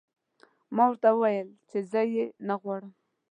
ما ورته وویل چې زه یې نه غواړم